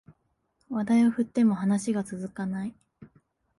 話題を振っても話が続かない